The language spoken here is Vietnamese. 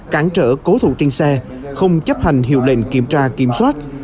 cản trở cố thủ trên xe không chấp hành hiệu lệnh kiểm tra kiểm soát